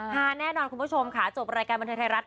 แน่นอนคุณผู้ชมค่ะจบรายการบันเทิงไทยรัฐ